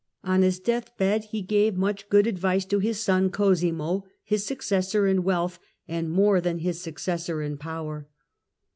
On his deathbed he gave much good advice to his son Cosimo, his suc cessor in wealth, and more than his successor in power.